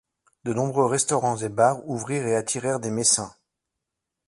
De nombreux restaurants et bars ouvrirent et attirèrent des messins.